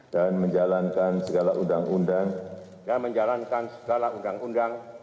dan menjalankan segala undang undang